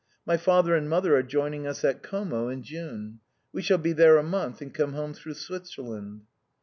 My father and mother are joining us at Como in June. We shall be there a month and come home through Switzerland."